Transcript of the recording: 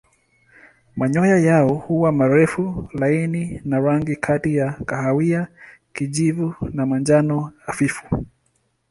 Manyoya yao huwa marefu laini na rangi kati ya kahawia kijivu na manjano hafifu.